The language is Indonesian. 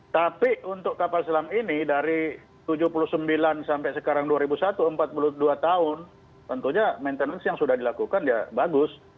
tapi untuk kapal selam ini dari tujuh puluh sembilan sampai sekarang dua ribu satu empat puluh dua tahun tentunya maintenance yang sudah dilakukan ya bagus